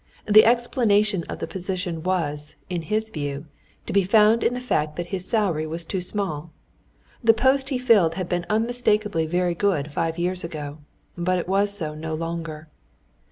The explanation of the position was, in his view, to be found in the fact that his salary was too small. The post he filled had been unmistakably very good five years ago, but it was so no longer.